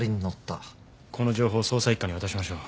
この情報を捜査一課に渡しましょう。